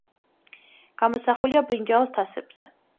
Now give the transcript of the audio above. გამოსახულია ბრინჯაოს თასებზე.